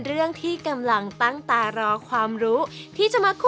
ลองผิดลองถูก